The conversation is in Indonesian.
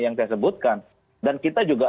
yang saya sebutkan dan kita juga